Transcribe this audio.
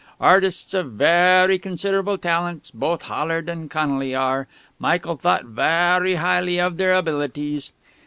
Artists of varry considerable talents both Hallard and Connolly are; Michael thought varry highly of their abilities.